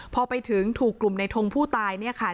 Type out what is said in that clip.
พอไปถึงถูกกลุ่มในทงผู้ตายเนี่ยค่ะ